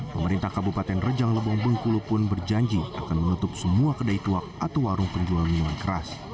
pemerintah kabupaten rejang lebong bengkulu pun berjanji akan menutup semua kedai tuak atau warung penjual minuman keras